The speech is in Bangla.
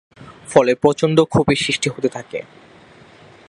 ফলে প্রচণ্ড ক্ষোভের সৃষ্টি হতে থাকে।